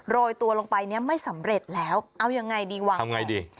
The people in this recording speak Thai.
โรยตัวลงไปเนี่ยไม่สำเร็จแล้วเอายังไงดีวะทำไงดี